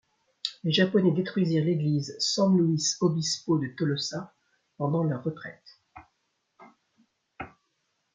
Les japonais détruisirent l'église San Luis Obispo de Tolosa pendant leur retraite.